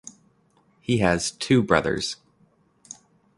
He has two brothers.